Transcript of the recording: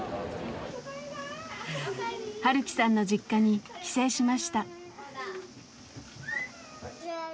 晴樹さんの実家に帰省しました。